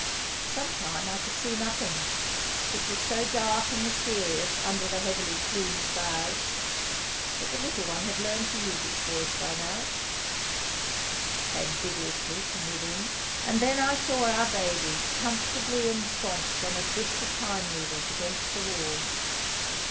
For some time I could see nothing, it was so dark and mysterious under the heavily plumed boughs, but the little one had learnt to use its voice by now; "Cheep" came vigorously from within; and then I saw our baby comfortably ensconced on a drift of pine needles against the wall.